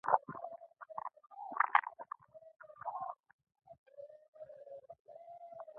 وسله د ځواک نښه ده